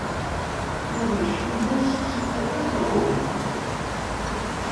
Ur necfi ma nessexsi tafat neɣ uhu.